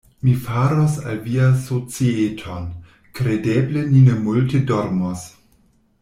Mi faros al vi societon: kredeble ni ne multe dormos.